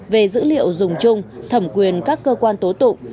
về dữ liệu dùng chung thẩm quyền các cơ quan tố tụng